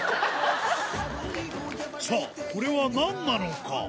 さぁこれは何なのか？